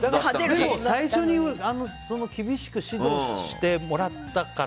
でも、最初に厳しく指導してもらったから。